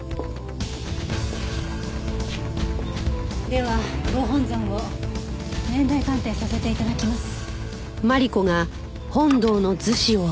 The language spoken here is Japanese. ではご本尊を年代鑑定させて頂きます。